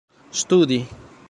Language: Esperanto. studi